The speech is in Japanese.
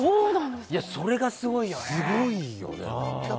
それがすごいよね。